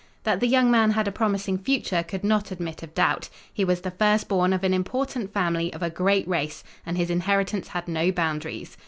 That the young man had a promising future could not admit of doubt. He was the first born of an important family of a great race and his inheritance had no boundaries.